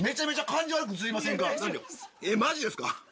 えっマジですか？